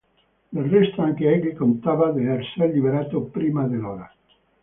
Del resto anche egli contava d'esser liberato prima dell'ora.